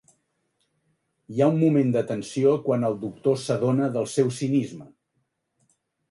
Hi ha un moment de tensió quan el doctor s'adona del seu cinisme.